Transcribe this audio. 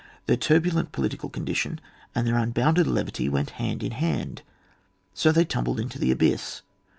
Their turbulent political con dition, and their unbounded levity went hand in hand, and so they tumbled into the abyss.